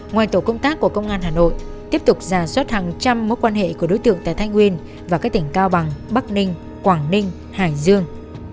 ngoài tổ công tác của công an hà nội tiếp tục giả soát hàng trăm mối quan hệ của đối tượng tại thái nguyên và các tỉnh cao bằng bắc ninh quảng ninh hải dương